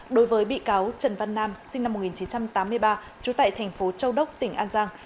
đối với bị cáo trần văn nam sinh năm một nghìn chín trăm tám mươi ba trú tại thành phố châu đốc tỉnh an giang